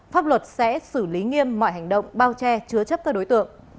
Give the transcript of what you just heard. pháp luật sẽ xử lý nghiêm mọi hành động bao che chứa chấp các đối tượng